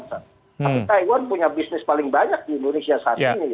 tapi taiwan punya bisnis paling banyak di indonesia saat ini